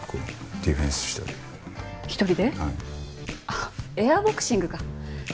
あっエアボクシングか。